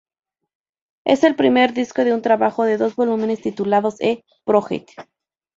Es el primer disco de un trabajo de dos volúmenes titulado "E-Project".